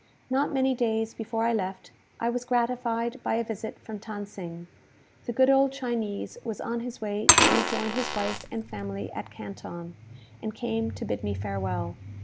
Not many days before I left, I was gratified by a visit from Than Sing. The good old Chinese was on his way to rejoin his wife and family at Canton, and came to bid me farewell.